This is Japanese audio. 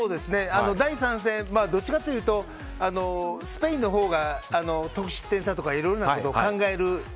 第３戦、どっちかというとスペインのほうが得失点差とかいろいろなことを考える